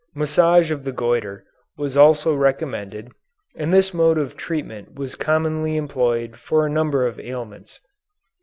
Massage of the goitre was also recommended, and this mode of treatment was commonly employed for a number of ailments.